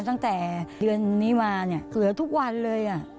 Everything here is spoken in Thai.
ตั้งแต่เดือนนี้มาเนี่ยเหลือทุกวันเลย